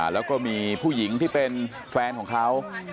แล้วก็มีผู้หญิงที่เป็นแฟนของเขา